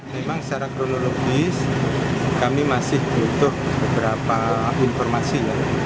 memang secara kronologis kami masih butuh beberapa informasi